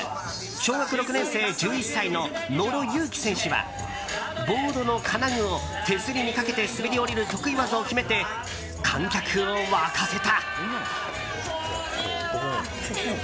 小学６年生、１１歳の野呂勇貴選手はボードの金具を手すりにかけて滑り降りる得意技を決めて観客を沸かせた。